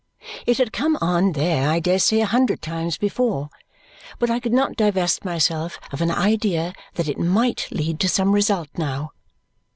It had come on there, I dare say, a hundred times before, but I could not divest myself of an idea that it MIGHT lead to some result now.